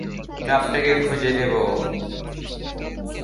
আমি আপনাকে খুঁজে নেবো।